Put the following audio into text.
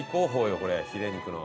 これヒレ肉の。